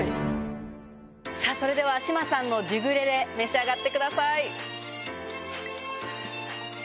それでは志麻さんのデュグレレ、召し上がってください。